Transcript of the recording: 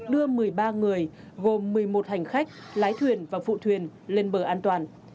đưa một mươi ba người gồm một mươi một hành khách